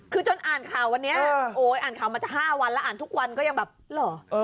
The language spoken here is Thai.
คือจนอ่านข่าววันนี้โอ๊ยอ่านข่าวมา๕วันแล้วอ่านทุกวันก็ยังแบบเหรอ